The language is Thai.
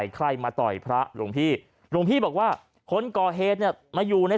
ใครมาต่อยพระหลวงพี่หลวงพี่บอกว่าคนก่อเหตุเนี่ยมาอยู่ใน